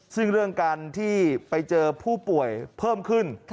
ซึ่งเรื่องการที่ไปเจอผู้ป่วยเพิ่มขึ้น